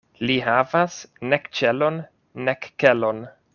Li havas nek ĉelon, nek kelon.